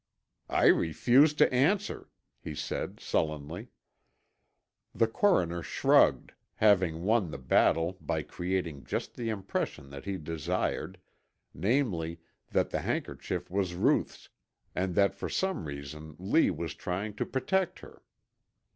"I refuse to answer," he said, sullenly. The coroner shrugged, having won the battle by creating just the impression that he desired, namely that the handkerchief was Ruth's and that for some reason Lee was trying to protect her.